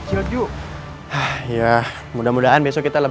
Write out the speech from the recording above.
di mana aku bisa beras dendam dengan semua keluarganya